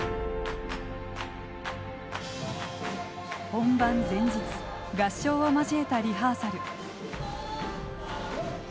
本番前日合唱を交えたリハーサル。